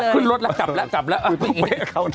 ขึ้นรถแล้วจับแล้วเอ้าไปกับเขานะ